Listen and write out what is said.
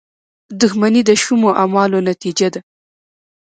• دښمني د شومو اعمالو نتیجه ده.